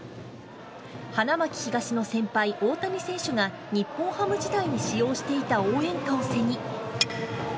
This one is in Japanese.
花巻東の先輩、大谷選手が日本ハム時代に使用していた応援歌を背に。